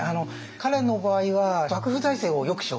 彼の場合は幕府財政をよくしようって。